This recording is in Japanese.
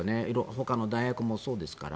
ほかの大学もそうですから。